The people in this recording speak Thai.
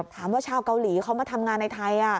ชาวเกาหลีเขามาทำงานในไทย